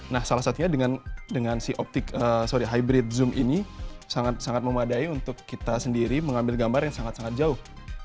nah salah satunya dengan si optik sorry hybrid zoom ini sangat memadai untuk kita sendiri mengambil gambar yang sangat sangat jauh